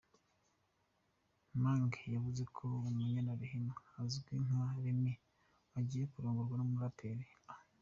Mange yavuze ko Umunyana Rehema uzwi nka Remy ugiye kurongorwa n’umuraperi A.